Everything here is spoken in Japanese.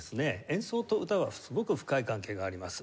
演奏と歌はすごく深い関係があります。